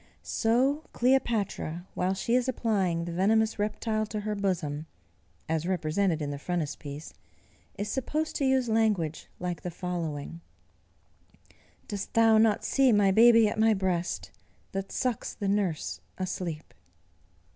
So Cleopatra, while she is applying the venomous reptile to her bosom, (as represented in the Frontispiece,) is supposed to use language like the following, "Dost thou not see my baby at my breast, That sucks the nurse asleep?"